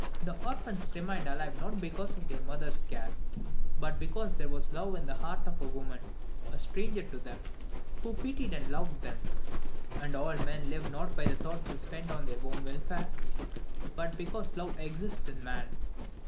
The orphans remained alive not because of their mother's care, but because there was love in the heart of a woman, a stranger to them, who pitied and loved them. And all men live not by the thought they spend on their own welfare, but because love exists in man.